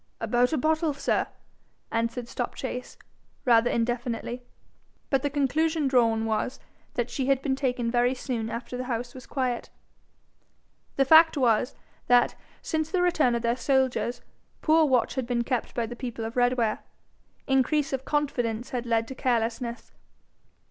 'About a bottle, sir,' answered Stopchase, rather indefinitely; but the conclusion drawn was, that she had been taken very soon after the house was quiet. The fact was, that since the return of their soldiers, poor watch had been kept by the people of Redware. Increase of confidence had led to carelessness.